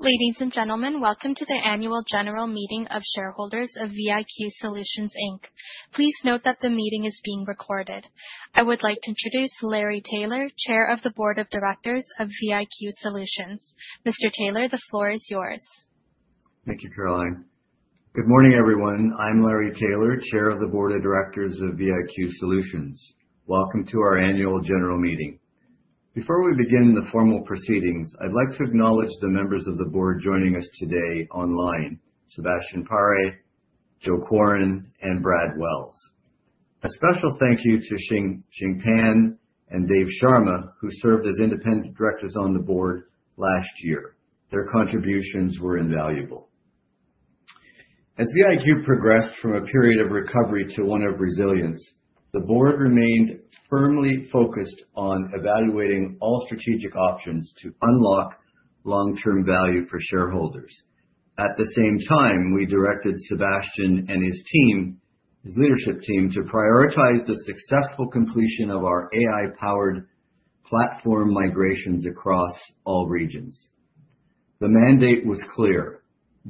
Ladies and gentlemen, welcome to the Annual General Meeting of Shareholders of VIQ Solutions Inc. Please note that the meeting is being recorded. I would like to introduce Larry Taylor, Chair of the Board of Directors of VIQ Solutions. Mr. Taylor, the floor is yours. Thank you, Caroline. Good morning, everyone. I'm Larry Taylor, Chair of the Board of Directors of VIQ Solutions. Welcome to our annual general meeting. Before we begin the formal proceedings, I'd like to acknowledge the members of the board joining us today online, Sebastien Pare, Joe Quarin, and Brad Wells. A special thank you to Yixin Pan and David Sharma, who served as independent directors on the board last year. Their contributions were invaluable. As VIQ progressed from a period of recovery to one of resilience, the board remained firmly focused on evaluating all strategic options to unlock long-term value for shareholders. At the same time, we directed Sébastien and his team, his leadership team, to prioritize the successful completion of our AI-powered platform migrations across all regions. The mandate was clear.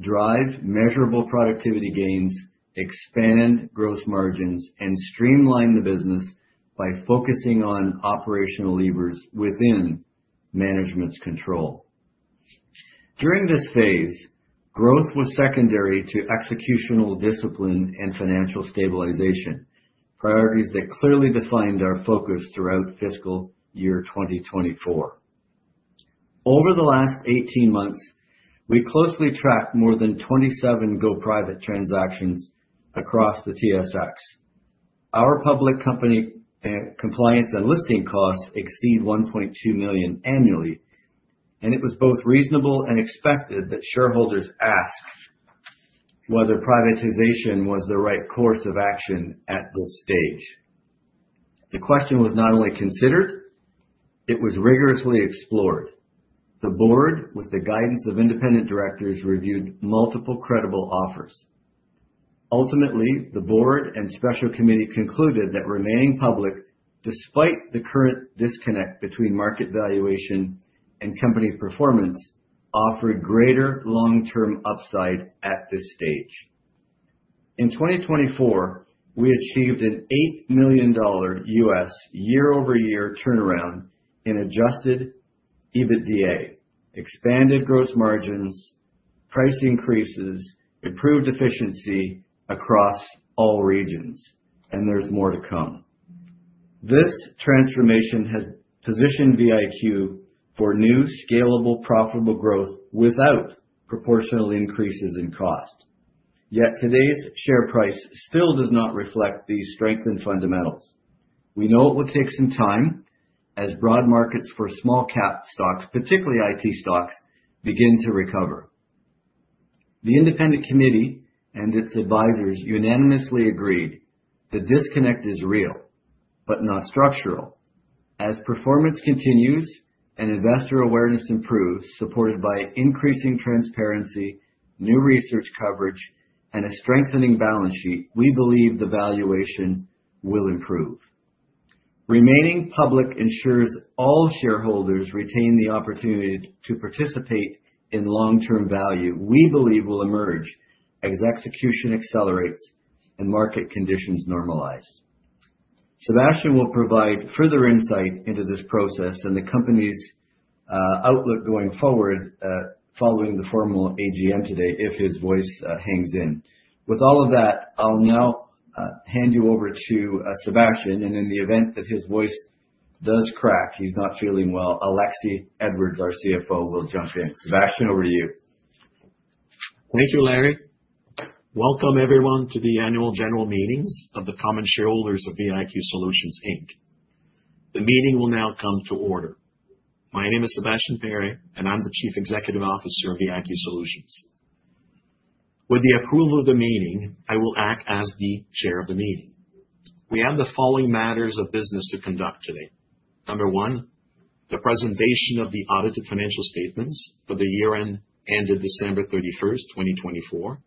Drive measurable productivity gains, expand gross margins, and streamline the business by focusing on operational levers within management's control. During this phase, growth was secondary to executional discipline and financial stabilization, priorities that clearly defined our focus throughout fiscal year 2024. Over the last 18 months, we closely tracked more than 27 go-private transactions across the TSX. Our public company compliance and listing costs exceed $1.2 million annually, and it was both reasonable and expected that shareholders asked whether privatization was the right course of action at this stage. The question was not only considered, it was rigorously explored. The board, with the guidance of independent directors, reviewed multiple credible offers. Ultimately, the board and special committee concluded that remaining public, despite the current disconnect between market valuation and company performance, offered greater long-term upside at this stage. In 2024, we achieved an $8 million year-over-year turnaround in Adjusted EBITDA, expanded gross margins, price increases, improved efficiency across all regions, and there's more to come. This transformation has positioned VIQ for new, scalable, profitable growth without proportional increases in cost. Today's share price still does not reflect these strengthened fundamentals. We know it will take some time as broad markets for small cap stocks, particularly IT stocks, begin to recover. The independent committee and its advisors unanimously agreed the disconnect is real but not structural. As performance continues and investor awareness improves, supported by increasing transparency, new research coverage, and a strengthening balance sheet, we believe the valuation will improve. Remaining public ensures all shareholders retain the opportunity to participate in long-term value we believe will emerge as execution accelerates and market conditions normalize. Sébastien will provide further insight into this process and the company's outlook going forward, following the formal AGM today if his voice hangs in. With all of that, I'll now hand you over to Sébastien, and in the event that his voice does crack, he's not feeling well, Alexie Edwards, our CFO, will jump in. Sébastien, over to you. Thank you, Larry. Welcome everyone to the annual general meetings of the common shareholders of VIQ Solutions Inc. The meeting will now come to order. My name is Sebastien Pare, and I'm the Chief Executive Officer of VIQ Solutions. With the approval of the meeting, I will act as the chair of the meeting. We have the following matters of business to conduct today. Number one, the presentation of the audited financial statements for the year end, ended December 31st, 2024.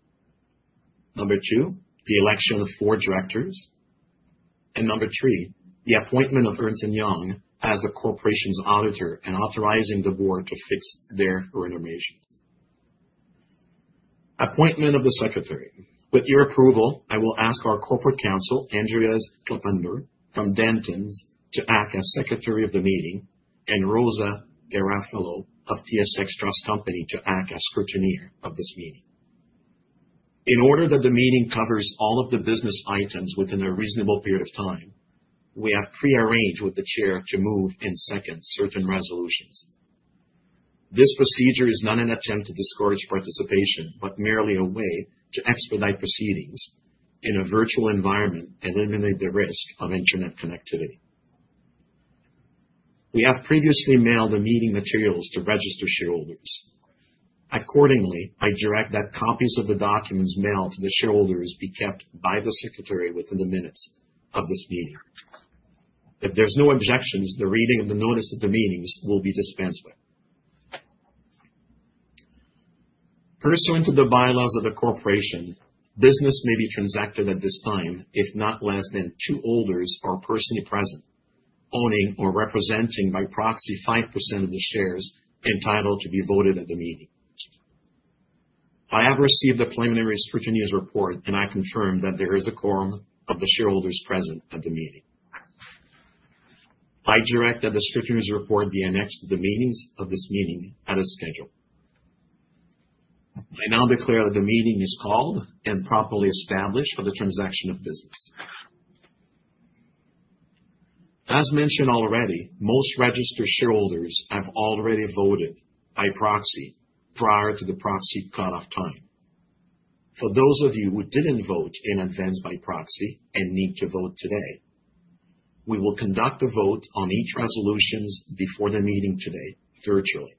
Number two, the election of four directors. Number three, the appointment of Ernst & Young as the corporation's auditor and authorizing the board to fix their remunerations. Appointment of the secretary. With your approval, I will ask our corporate counsel, Andreas Kloppenborg from Dentons, to act as secretary of the meeting, and Rosa Garofalo of TSX Trust Company to act as scrutineer of this meeting. In order that the meeting covers all of the business items within a reasonable period of time, we have pre-arranged with the chair to move and second certain resolutions. This procedure is not an attempt to discourage participation, but merely a way to expedite proceedings in a virtual environment and eliminate the risk of internet connectivity. We have previously mailed the meeting materials to registered shareholders. Accordingly, I direct that copies of the documents mailed to the shareholders be kept by the secretary within the minutes of this meeting. If there's no objections, the reading of the notice of the meetings will be dispensed with. Pursuant to the bylaws of the corporation, business may be transacted at this time, if not less than two holders are personally present, owning or representing by proxy 5% of the shares entitled to be voted at the meeting. I have received the preliminary scrutineer's report, and I confirm that there is a quorum of the shareholders present at the meeting. I direct that the scrutineer's report be annexed to the meetings of this meeting as a schedule. I now declare that the meeting is called and properly established for the transaction of business. As mentioned already, most registered shareholders have already voted by proxy prior to the proxy cutoff time. For those of you who didn't vote in advance by proxy and need to vote today, we will conduct a vote on each resolutions before the meeting today virtually.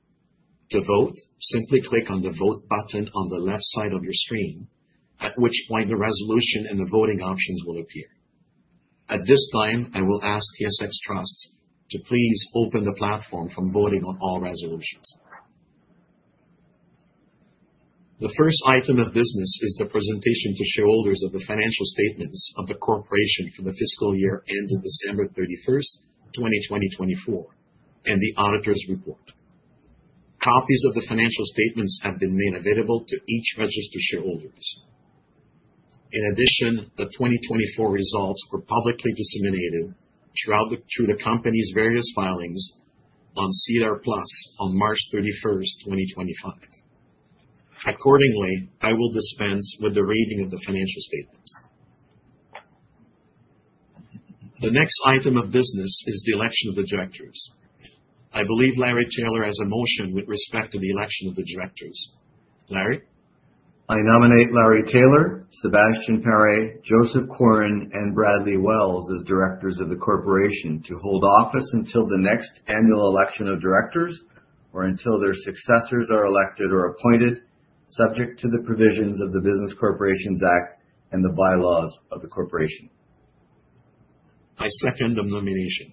To vote, simply click on the Vote button on the left side of your screen, at which point the resolution and the voting options will appear. At this time, I will ask TSX Trust to please open the platform for voting on all resolutions. The first item of business is the presentation to shareholders of the financial statements of the corporation for the fiscal year ended December 31st, 2024, and the auditor's report. Copies of the financial statements have been made available to each registered shareholders. In addition, the 2024 results were publicly disseminated through the company's various filings on SEDAR+ on March 31st, 2025. Accordingly, I will dispense with the reading of the financial statements. The next item of business is the election of the directors. I believe Larry Taylor has a motion with respect to the election of the directors. Larry? I nominate Larry Taylor, Sebastien Pare, Joseph Quarin, and Bradley Wells as directors of the corporation to hold office until the next annual election of directors or until their successors are elected or appointed, subject to the provisions of the Business Corporations Act and the bylaws of the corporation. I second the nomination.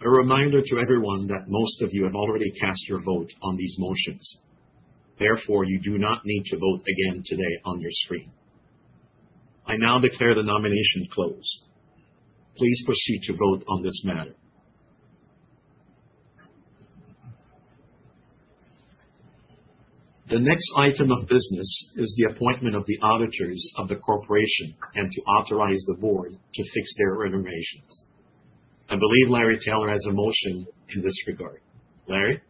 A reminder to everyone that most of you have already cast your vote on these motions. Therefore, you do not need to vote again today on your screen. I now declare the nomination closed. Please proceed to vote on this matter. The next item of business is the appointment of the auditors of the corporation and to authorize the board to fix their remunerations. I believe Larry Taylor has a motion in this regard. Larry?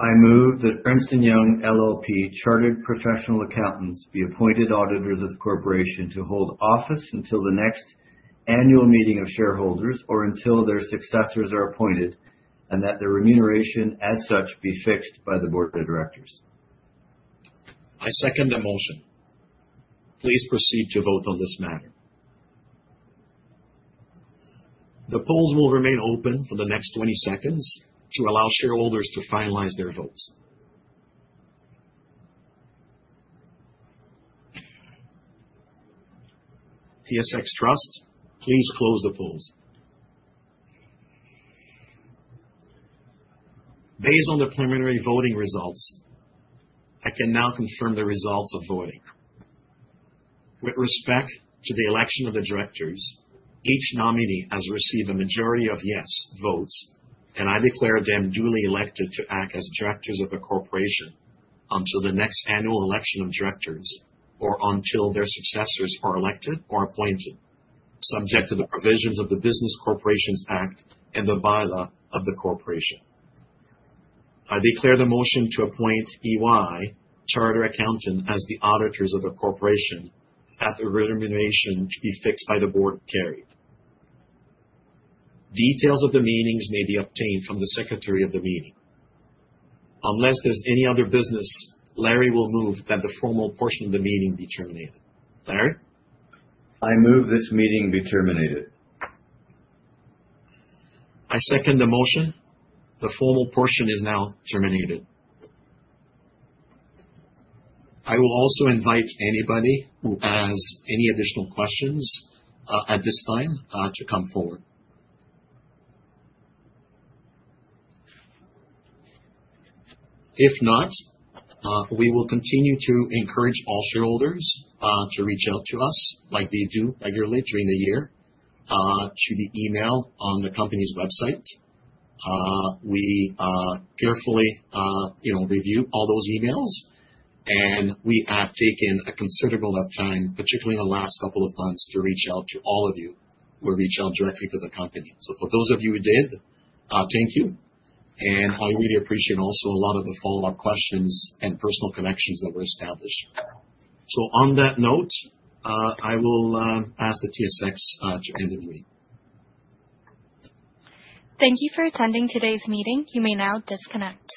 I move that Ernst & Young LLP Chartered Professional Accountants be appointed auditors of the corporation to hold office until the next annual meeting of shareholders, or until their successors are appointed, and that their remuneration as such be fixed by the board of directors. I second the motion. Please proceed to vote on this matter. The polls will remain open for the next 20 seconds to allow shareholders to finalize their votes. TSX Trust, please close the polls. Based on the preliminary voting results, I can now confirm the results of voting. With respect to the election of the directors, each nominee has received a majority of yes votes, and I declare them duly elected to act as directors of the corporation until the next annual election of directors or until their successors are elected or appointed, subject to the provisions of the Business Corporations Act and the bylaw of the corporation. I declare the motion to appoint EY Chartered Accountant as the auditors of the corporation at the remuneration to be fixed by the board carried. Details of the meetings may be obtained from the secretary of the meeting. Unless there's any other business, Larry will move that the formal portion of the meeting be terminated. Larry? I move this meeting be terminated. I second the motion. The formal portion is now terminated. I will also invite anybody who has any additional questions at this time to come forward. We will continue to encourage all shareholders to reach out to us like they do regularly during the year to the email on the company's website. We, carefully, you know, review all those emails, and we have taken a considerable amount of time, particularly in the last couple of months, to reach out to all of you who reached out directly to the company. For those of you who did, thank you. I really appreciate also a lot of the follow-up questions and personal connections that were established. On that note, I will ask the TSX to end the meeting. Thank you for attending today's meeting. You may now disconnect.